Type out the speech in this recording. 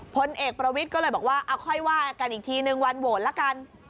พลเอกประวิทย์ก็เลยบอกว่าเอาค่อยว่ากันอีกทีนึงวันโหวตละกัน